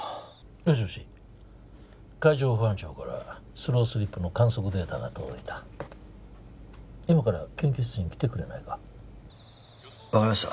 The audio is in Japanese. もしもし海上保安庁からスロースリップの観測データが届いた今から研究室に来てくれないか分かりました